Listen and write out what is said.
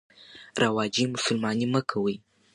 رواجي مسلماني مه کوئ.